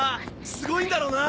すごいんだろうなあ！